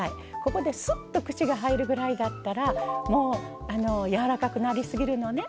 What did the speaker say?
ここですっと串が入るぐらいだったらもうやわらかくなり過ぎるのね。